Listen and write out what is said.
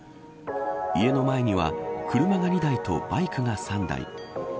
家の前には車が２台とバイクが３台。